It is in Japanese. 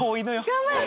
頑張れ！